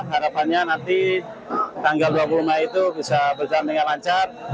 harapannya nanti tanggal dua puluh mei itu bisa berjalan dengan lancar